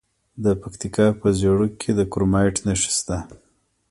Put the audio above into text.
د پکتیکا په زیروک کې د کرومایټ نښې شته.